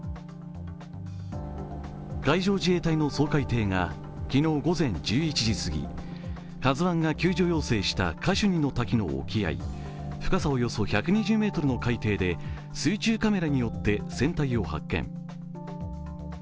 海上自衛隊の掃海艇が昨日午前１１時過ぎ「ＫＡＺＵⅠ」が救助要請したカシュニの滝の沖合、深さおよそ１２０ｍの海底で水中カメラによって船体を発見。